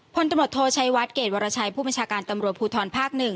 พลตำรวจโทชัยวัดเกรดวรชัยผู้บัญชาการตำรวจภูทรภาค๑